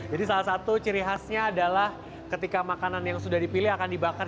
jadi salah satu ciri khasnya adalah ketika makanan yang sudah dipilih akan dibakar